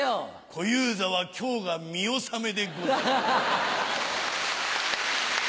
小遊三は今日が見納めでござる。